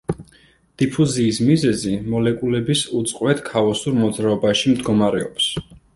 დიფუზიის მიზეზი მოლეკულების უწყვეტ ქაოსურ მოძრაობაში მდგომარეობს.